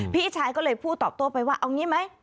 พี่ชายก็เลยพูดตอบโต้ไปว่าเอางี้ไหม